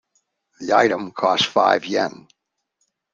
The item costs five Yen.